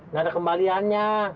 gak ada kembaliannya